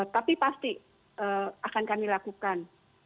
tapi pasti akan kami lakukan